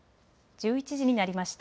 １１時になりました。